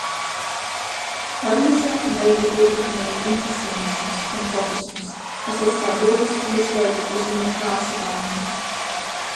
Parīzē Megi ietekmēja impresionisms un fovisms, kas atstāja būtisku iespaidu uz viņa krāsu gammu.